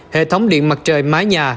hệ thống điện mặt trời mái nhà